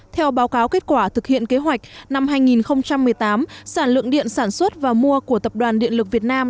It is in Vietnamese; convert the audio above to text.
theo báo cáo kết quả thực hiện kế hoạch năm hai nghìn một mươi tám sản lượng điện sản xuất và mua của tập đoàn điện lực việt nam